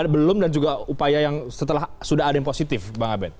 belum dan juga upaya yang setelah sudah ada yang positif bang abed